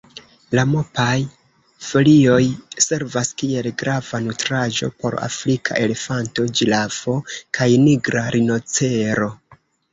La mopan-folioj servas kiel grava nutraĵo por afrika elefanto, ĝirafo kaj nigra rinocero.